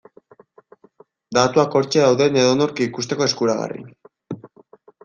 Datuak hortxe daude edonork ikusteko eskuragarri.